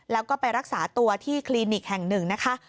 แล้วก็ไปรักษาตัวที่คลินิกแห่งหนึ่งนะคะ